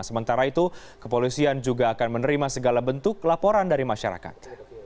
sementara itu kepolisian juga akan menerima segala bentuk laporan dari masyarakat